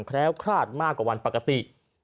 แคล้วคลาดมากกว่าวันปกติ